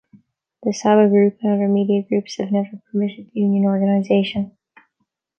The Sabah group and other media groups have never permitted union organisation.